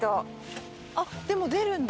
あっでも出るんだ。